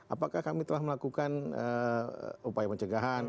apakah kami telah melakukan upaya pencegahan